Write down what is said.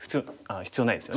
必要ないですよね。